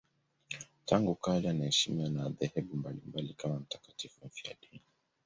Tangu kale anaheshimiwa na madhehebu mbalimbali kama mtakatifu mfiadini.